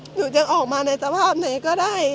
หนูจะออกมาในสภาพไหนก็ได้